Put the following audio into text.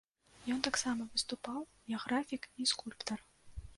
Ён таксама выступаў, як графік і скульптар.